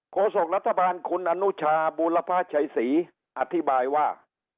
โศกรัฐบาลคุณอนุชาบูรพชัยศรีอธิบายว่า